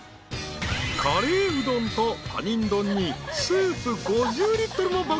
［カレーうどんと他人丼にスープ５０リットルの爆買い］